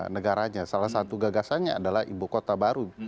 negaranya salah satu gagasannya adalah ibu kota baru